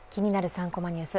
３コマニュース」